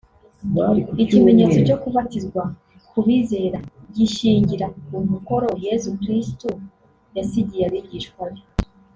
Ikimenyetso cyo kubatizwa ku bizera gishingira ku mukoro Yesu Kirisitu yasigiye abigishwa be